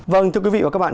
vâng thưa quý vị và các bạn